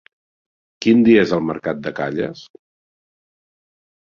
Quin dia és el mercat de Calles?